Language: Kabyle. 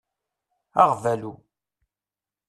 Aɣbalu.